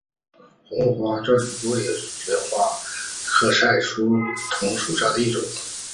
红花姬旋花为旋花科菜栾藤属下的一个种。